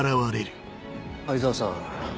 相沢さん。